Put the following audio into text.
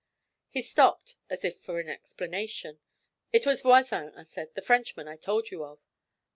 He stopped, as if for an explanation. 'It was Voisin,' I said. 'The Frenchman I told you of.'